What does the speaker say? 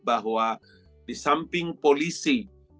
bahwa di samping polisi